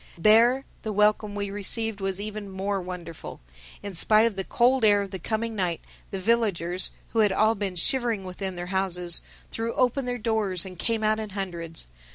There the welcome we received was even more wonderful. In spite of the cold air of the coming night, the villagers, who had all been shivering within their houses, threw open their doors and came out in hundreds.